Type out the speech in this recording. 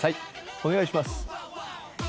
お願いします